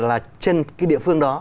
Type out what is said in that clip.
là trên cái địa phương đó